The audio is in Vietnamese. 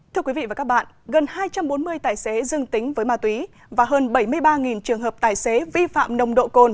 thưa quý vị và các bạn gần hai trăm bốn mươi tài xế dương tính với ma túy và hơn bảy mươi ba trường hợp tài xế vi phạm nồng độ cồn